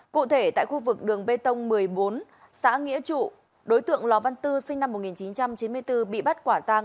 cụ thể tại khu vực đường bê tông một mươi bốn xã nghĩa trụ đối tượng lò văn tư sinh năm một nghìn chín trăm chín mươi bốn bị bắt quả tàng